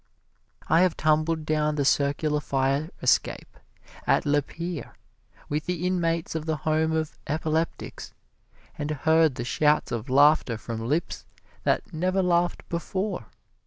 I have tumbled down the circular fire escape at Lapeer with the inmates of the Home of Epileptics, and heard the shouts of laughter from lips that never laughed before.